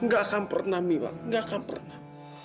gak akan pernah bilang gak akan pernah